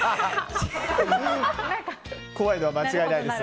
怖いのは間違いないです。